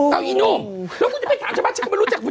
เอ้าอีนุ่มแล้วคุณจะไปถามชาวบ้าน